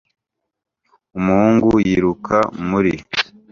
Umuhungu yiruka muri